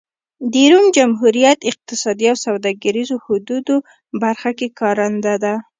د روم جمهوریت اقتصادي او سوداګریزو حدودو برخه کې کارنده ده.